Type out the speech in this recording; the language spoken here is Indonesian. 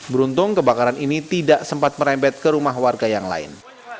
beruntung kebakaran ini tidak sempat merembet ke rumah warga yang lain